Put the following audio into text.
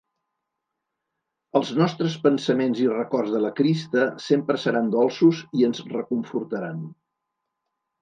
Els nostres pensaments i records de la Christa sempre seran dolços i ens reconfortaran.